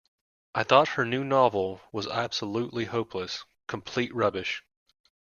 I thought that her new novel was absolutely hopeless. Complete rubbish